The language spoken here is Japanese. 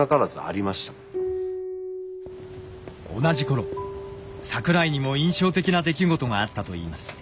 同じ頃桜井にも印象的な出来事があったといいます。